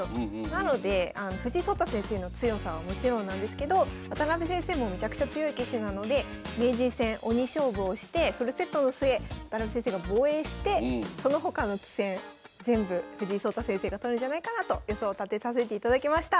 なので藤井聡太先生の強さはもちろんなんですけど渡辺先生もめちゃくちゃ強い棋士なので名人戦鬼勝負をしてフルセットの末渡辺先生が防衛してその他の棋戦全部藤井聡太先生が取るんじゃないかなと予想立てさせていただきました。